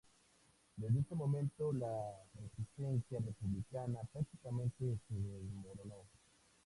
Desde ese momento la resistencia republicana prácticamente se desmoronó.